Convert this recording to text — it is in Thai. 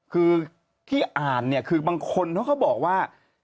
คือที่อ่านเนี่ยคือบางคนเขาก็บอกว่า